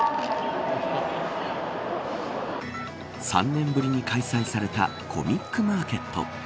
３年ぶりに開催されたコミックマーケット。